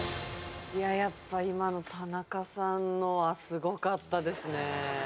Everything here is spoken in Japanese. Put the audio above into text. いややっぱ今の田中さんのはすごかったですね。